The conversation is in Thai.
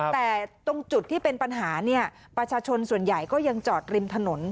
แต่ตรงจุดที่เป็นปัญหาเนี่ยประชาชนส่วนใหญ่ก็ยังจอดริมถนน